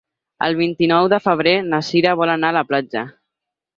El vint-i-nou de febrer na Cira vol anar a la platja.